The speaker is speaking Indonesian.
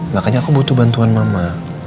makanya aku butuh bantuan mama